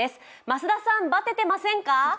増田さん、バテてませんか？